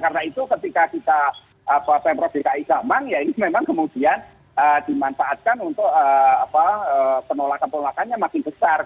karena itu ketika kita pemerintah dki zaman ya ini memang kemudian dimanfaatkan untuk penolakan penolakannya makin besar